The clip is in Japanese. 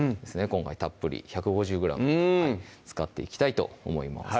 今回たっぷり１５０ｇ使っていきたいと思います